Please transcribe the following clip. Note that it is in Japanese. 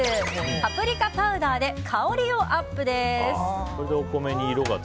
パプリカパウダーで香りをアップ！です。